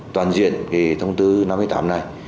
toàn diện thông tư năm mươi tám này